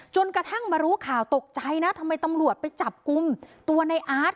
จนกระทั่งมารู้ข่าวตกใจนะทำไมตำรวจไปจับกลุ่มตัวในอาร์ต